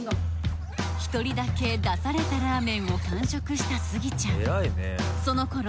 １人だけ出されたラーメンを完食したスギちゃんそのころ